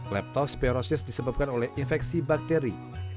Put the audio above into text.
leptospiorosis disebabkan oleh infeksi bakteri